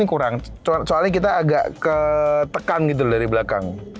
kurang soalnya kita agak ketekan gitu dari belakang